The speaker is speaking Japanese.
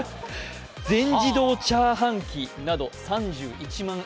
全自動チャーハン機など３１万